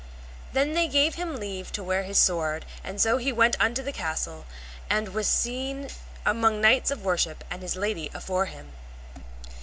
Then they gave him leave to wear his sword, and so he went unto the castle, and was set among knights of worship, and his lady afore him.